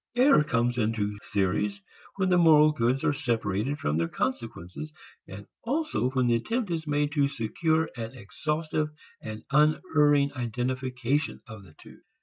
Error comes into theories when the moral goods are separated from their consequences and also when the attempt is made to secure an exhaustive and unerring identification of the two.